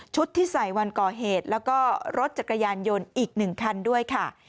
ที่ใส่วันก่อเหตุแล้วก็รถจักรยานยนต์อีก๑คันด้วยค่ะ